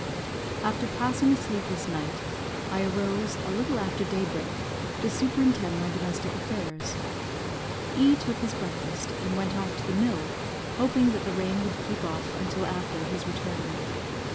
After passing a sleepless night, I arose, a little after day break, to superintend my domestic affairs. E took his breakfast, and went off to the mill, hoping that the rain would keep off until after his return.